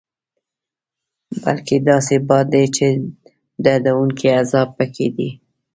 بلکې داسې باد دی چې دردوونکی عذاب پکې دی.